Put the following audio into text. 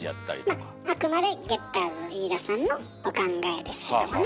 まああくまでゲッターズ飯田さんのお考えですけどもね。